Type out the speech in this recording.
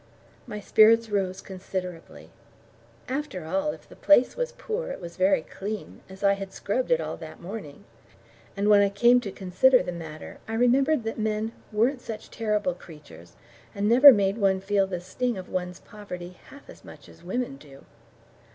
My spirits rose considerably. After all, if the place was poor, it was very clean, as I had scrubbed it all that morning, and when I came to consider the matter, I remembered that men weren't such terrible creatures, and never made one feel the sting of one's poverty half as much as women do.